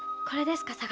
これですか？